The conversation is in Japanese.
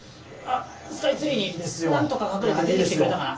スカイツリーに何とか隠れて、出てきてくれたかな。